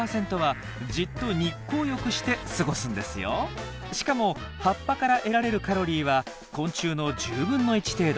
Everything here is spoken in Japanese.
だからしかも葉っぱから得られるカロリーは昆虫の１０分の１程度。